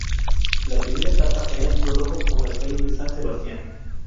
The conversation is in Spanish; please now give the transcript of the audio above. La primera etapa era un prólogo por las calles de San Sebastián.